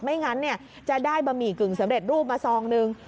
ไม่งั้นจะได้บะหมี่กึ่งสำเร็จรูปมาซองนึง